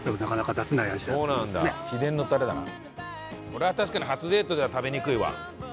「これは確かに初デートでは食べにくいわ」